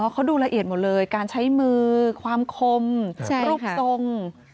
เขาดูละเอียดหมดเลยการใช้มือความคมรูปทรง